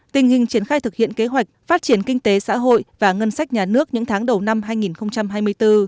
tình hình triển khai thực hiện kế hoạch phát triển kinh tế xã hội và ngân sách nhà nước những tháng đầu năm hai nghìn hai mươi bốn